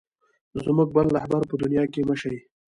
زموږ بل رهبر په دنیا کې مه شې.